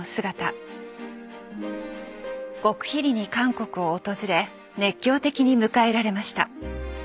極秘裏に韓国を訪れ熱狂的に迎えられました。